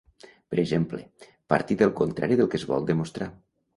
Per exemple, partir del contrari del que es vol demostrar.